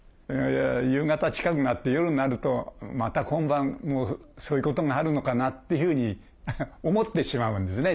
夕方近くなって夜になるとまた今晩もそういうことがあるのかなっていうふうに思ってしまうんですね